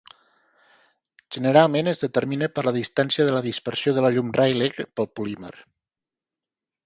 Generalment es determina per la distància de la dispersió de la llum Rayleigh pel polímer.